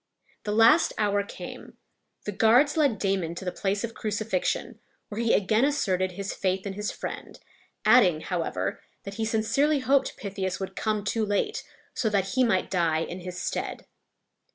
The last hour came. The guards led Damon to the place of crucifixion, where he again asserted his faith in his friend, adding, however, that he sincerely hoped Pythias would come too late, so that he might die in his stead.